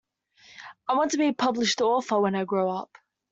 I want to be a published author when I grow up.